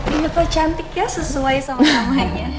ini tuh cantik ya sesuai sama sama